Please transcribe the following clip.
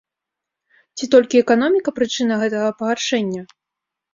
Ці толькі эканоміка прычына гэтага пагаршэння?